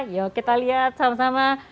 yuk kita lihat sama sama